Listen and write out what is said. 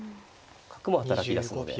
角も働きだすので。